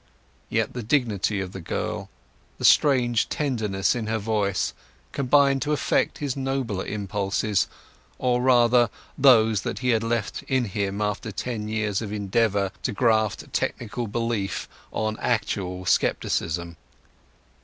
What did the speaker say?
Yet the dignity of the girl, the strange tenderness in her voice, combined to affect his nobler impulses—or rather those that he had left in him after ten years of endeavour to graft technical belief on actual scepticism.